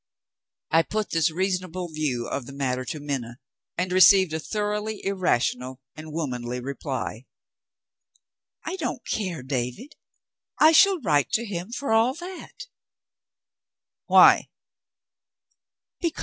I put this reasonable view of the matter to Minna, and received a thoroughly irrational and womanly reply. "I don't care, David; I shall write to him, for all that." "Why?"